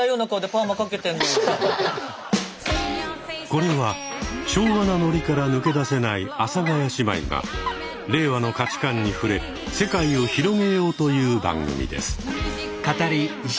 これは昭和なノリから抜け出せない阿佐ヶ谷姉妹が令和の価値観に触れ世界を広げようという番組です。